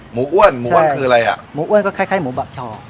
อ้วนหมูอ้วนคืออะไรอ่ะหมูอ้วนก็คล้ายหมูบักชอ